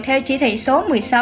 theo chỉ thị số một mươi sáu